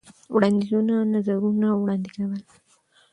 وړاندیزونو ، نظرونه وړاندې کولو.